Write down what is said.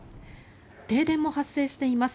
停電も発生しています。